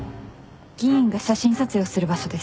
議員が写真撮影をする場所です。